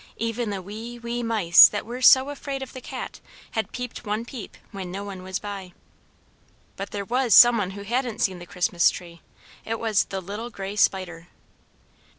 Even the wee, wee mice that were so afraid of the cat had peeped one peep when no one was by. But there was someone who hadn't seen the Christmas tree. It was the little grey spider!